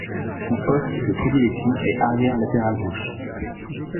Son poste de prédilection est arrière latéral gauche.